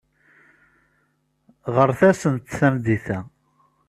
Ɣret-asent tameddit-a.